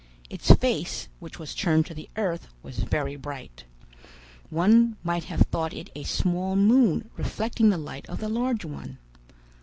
Its face, which was turned to the earth, was very bright. One might have thought it a small moon reflecting the light of the large one.